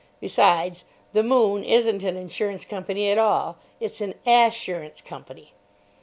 Besides, the "Moon" isn't an Insurance Company at all: it's an _As_surance Company.